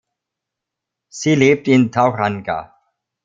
Sie lebt in Tauranga.